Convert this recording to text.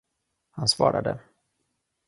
Han svarade.